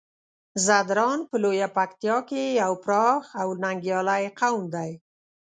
ځدراڼ په لويه پکتيا کې يو پراخ او ننګيالی قوم دی.